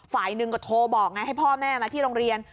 ฝ่ายหนึ่งก็โทรบอกไงให้พ่อแม่มาที่โรงเรียน